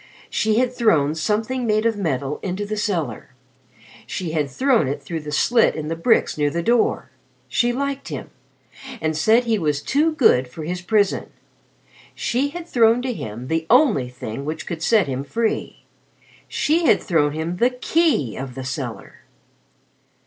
She had thrown something made of metal into the cellar. She had thrown it through the slit in the bricks near the door. She liked him, and said he was too good for his prison. She had thrown to him the only thing which could set him free. She had thrown him the key of the cellar!